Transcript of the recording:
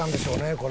これ。